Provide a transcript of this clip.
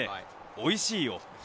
おいしいよ。